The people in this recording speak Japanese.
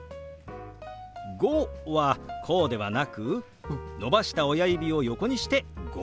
「５」はこうではなく伸ばした親指を横にして「５」。